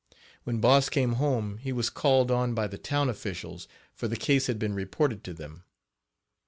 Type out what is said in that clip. When Boss came home he was called on by the town officials, for the case had been reported to them.